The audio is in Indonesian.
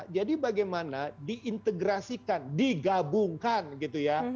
bagaimana diintegrasikan digabungkan gitu ya